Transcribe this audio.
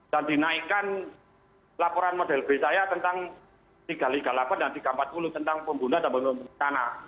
dan dinaikkan laporan model b saya tentang tiga ratus tiga puluh delapan dan tiga ratus empat puluh tentang pembunuhan dan pembunuhan tanah